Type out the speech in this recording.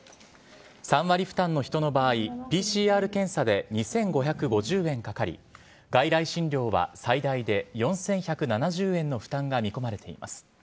３割負担の人の場合、ＰＣＲ検査で２５５０円かかり、外来診療は最大で４１７０円の負担が見込まれています。